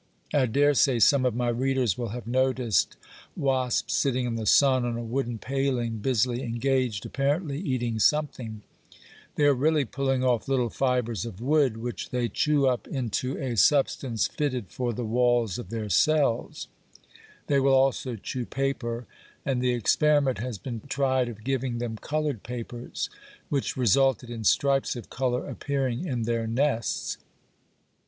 I dare say some of my readers will have noticed wasps sitting in the sun on a wooden paling busily engaged apparently eating something they are really pulling off little fibres of wood which they chew up into a substance fitted for the walls of their cells; they will also chew paper, and the experiment has been tried of giving them coloured papers, which resulted in stripes of colour appearing in their nests.